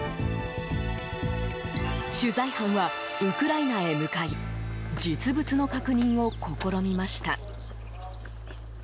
取材班はウクライナへ向かい実物の確認を試みました。